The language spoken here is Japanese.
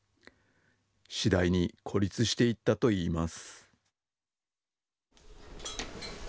次第に孤立していったといいます。